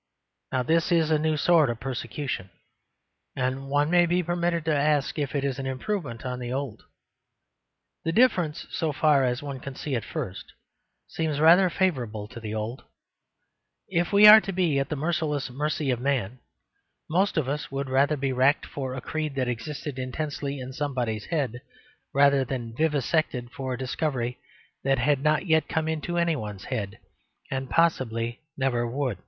Now this is a new sort of persecution; and one may be permitted to ask if it is an improvement on the old. The difference, so far as one can see at first, seems rather favourable to the old. If we are to be at the merciless mercy of man, most of us would rather be racked for a creed that existed intensely in somebody's head, rather than vivisected for a discovery that had not yet come into anyone's head, and possibly never would.